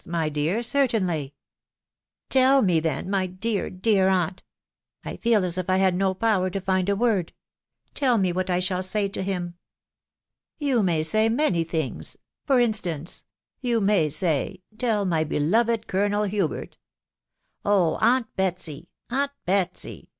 my dear, certainly/' " Tell me then, my dear, dear aunt !.... I feel as if I had no power to find a word .... tell me what I shall say to him." " You may say many things .... For instance, •••• you may say, Tell my beloved Colonel Hubert ...."" Oh J aunt Betsy !.... aunt Betsy